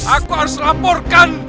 aku harus laporkan